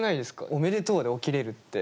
「おめでとう」で起きれるって。